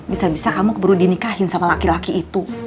bisa bisa kamu keburu dinikahin sama laki laki itu